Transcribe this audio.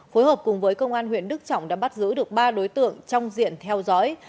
phối hợp cùng với công an huyện đức trọng đã bắt giữ được ba đối tượng trong diện theo dõi